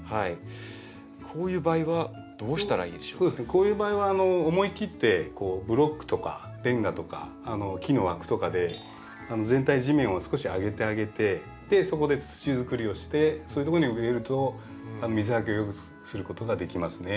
こういう場合は思い切ってこうブロックとかレンガとか木の枠とかで全体地面を少し上げてあげてそこで土づくりをしてそういうとこに植えると水はけをよくすることができますね。